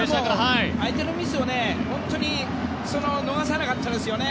相手のミスを本当に逃さなかったですよね。